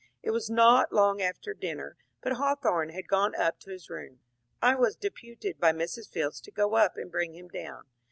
It was not long after dinner, but Hawthorne had gone up to his room. I was deputed by Mrs. Fields to go up and bring him down.